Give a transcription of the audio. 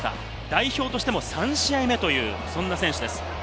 代表としても３試合目という選手です。